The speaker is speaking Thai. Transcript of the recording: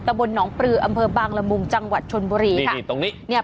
บนหนองปลืออำเภอบางละมุงจังหวัดชนบุรีค่ะนี่ตรงนี้เนี่ย